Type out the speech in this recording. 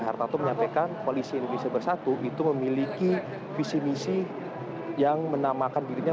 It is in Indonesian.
hartarto menyampaikan koalisi indonesia bersatu itu memiliki visi misi yang menamakan dirinya